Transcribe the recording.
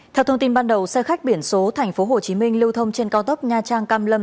theo thông tin ban đầu xe khách biển số tp hcm lưu thông trên cao tốc nha trang cam lâm